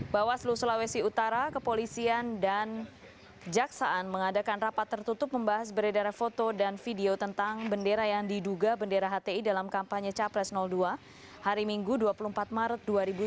bawaslu sulawesi utara kepolisian dan kejaksaan mengadakan rapat tertutup membahas beredar foto dan video tentang bendera yang diduga bendera hti dalam kampanye capres dua hari minggu dua puluh empat maret dua ribu sembilan belas